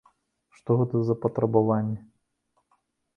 Што гэта за патрабаванне?